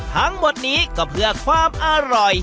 ทั้งหมดนี้ก็เพื่อความอร่อย